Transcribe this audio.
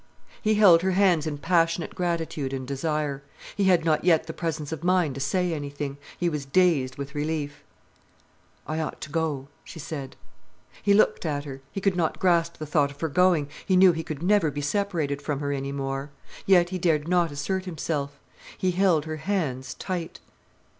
He held her hands in passionate gratitude and desire. He had not yet the presence of mind to say anything. He was dazed with relief. "I ought to go," she said. He looked at her. He could not grasp the thought of her going, he knew he could never be separated from her any more. Yet he dared not assert himself. He held her hands tight.